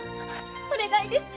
お願いです